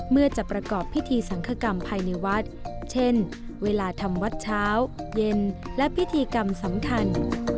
จะประกอบพิธีสังคกรรมภายในวัดเช่นเวลาทำวัดเช้าเย็นและพิธีกรรมสำคัญ